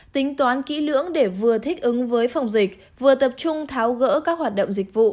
tính toán kỹ lưỡng để vừa thích ứng với phòng dịch vừa tập trung tháo gỡ các hoạt động dịch vụ